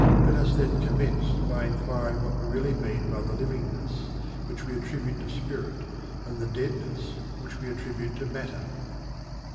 Let us then commence by enquiring what we really mean by the livingness which we attribute to spirit and the deadness which we attribute to matter.